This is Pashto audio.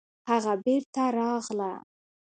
هغه بېرته راغله